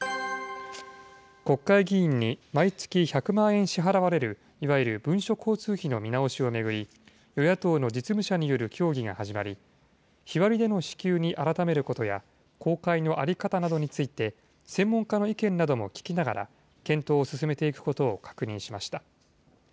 国会議員に毎月１００万円支払われる、いわゆる文書交通費の見直しを巡り、与野党の実務者による協議が始まり、日割りでの支給に改めることや、公開の在り方などについて、専門家の意見なども聞きながら、検討を進めていくことを確認しました。